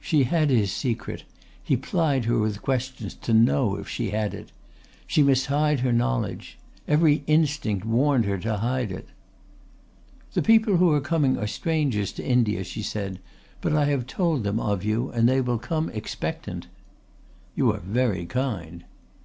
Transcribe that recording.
She had his secret, he plied her with questions to know if she had it. She must hide her knowledge. Every instinct warned her to hide it. "The people who are coming are strangers to India," she said, "but I have told them of you and they will come expectant." "You are very kind."